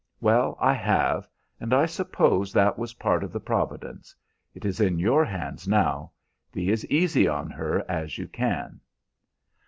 "Well, I have, and I suppose that was part of the providence. It is in your hands now; be as easy on her as you can."